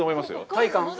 体感？